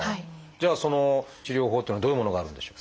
じゃあその治療法っていうのはどういうものがあるんでしょう？